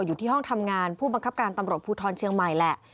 อยู่ที่ห้องทำงานผู้บังคับการตำรวจภูทรเชียงใหม่แหละ